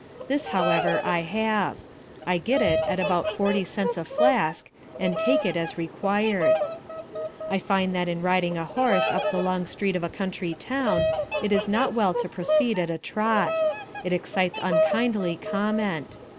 This, however, I have. I get it at about forty cents a flask, and take it as required. I find that in riding a horse up the long street of a country town, it is not well to proceed at a trot. It excites unkindly comment.